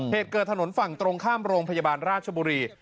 เหตุเกิดถนนฝั่งตรงข้ามโรงพยาบาลราชบุรี